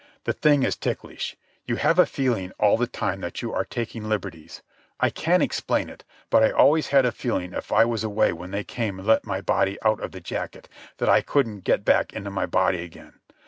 "The thing is ticklish. You have a feeling all the time that you are taking liberties. I can't explain it, but I always had a feeling if I was away when they came and let my body out of the jacket that I couldn't get back into my body again.